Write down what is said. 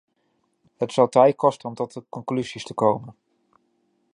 Het zal tijd kosten om tot conclusies te komen.